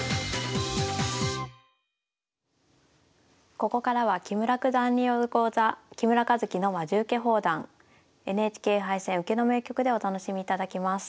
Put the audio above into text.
ここからは木村九段による講座「木村一基のまじウケ放談ＮＨＫ杯戦・受けの名局」でお楽しみいただきます。